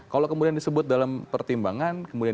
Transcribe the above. kalau kemudian disebut dalam pertimbangan kemudian